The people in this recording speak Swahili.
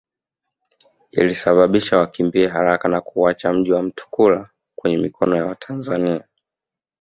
Ilisababisha wakimbie haraka na kuuacha mji wa Mtukula kwenye mikono ya watanzania